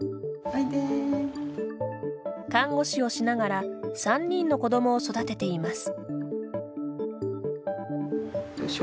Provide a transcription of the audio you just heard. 看護師をしながら３人の子どもを育てています。